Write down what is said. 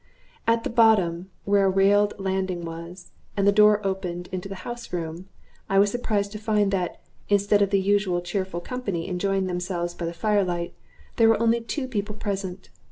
At the bottom, where a railed landing was, and the door opened into the house room, I was surprised to find that, instead of the usual cheerful company enjoying themselves by the fire light, there were only two people present.